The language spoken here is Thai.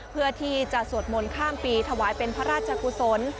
เพื่อที่จะสวดมนต์ข้ามปีถวายเป็นพระราชกุศล